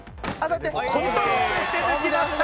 コントロールして抜きました